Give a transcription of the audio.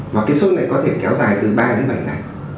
mà cái sốt này có thể kéo dài từ ba đến bảy ngày